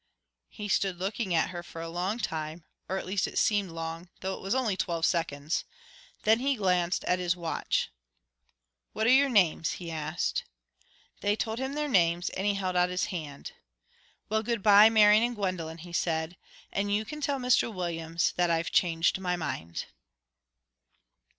He stood looking at her for a long time, or at least it seemed long, though it was only twelve seconds. Then he glanced at his watch. "What are your names?" he asked. They told him their names, and he held out his hand. "Well, good bye, Marian and Gwendolen," he said; "and you can tell Mr Williams that I've changed my mind."